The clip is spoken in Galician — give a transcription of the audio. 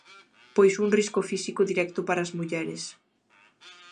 Pois un risco físico directo para as mulleres.